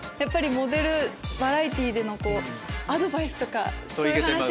モデルバラエティーでのアドバイスとかそういう話も。